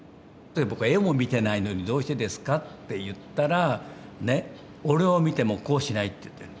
僕は「絵も見てないのにどうしてですか？」って言ったら「俺を見てもこうしない」って言って。